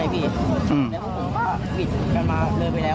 แล้วพวกผมก็บิดกันมาเลยไปแล้ว